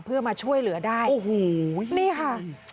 เพื่อมาช่วยเหลือได้โอ้โหนี่ค่ะ